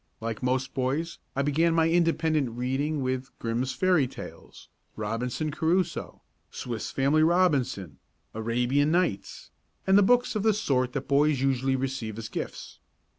Like most boys I began my independent reading with "Grimm's Fairy Tales," "Robinson Crusoe," "Swiss Family Robinson," "Arabian Nights" and books of the sort that boys usually receive as gifts.